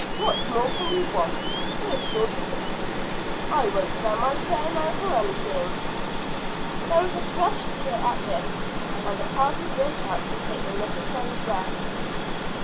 What more can we want? We're sure to succeed. I won't sell my share now for anything." There was a fresh cheer at this, and the party broke up to take the necessary rest.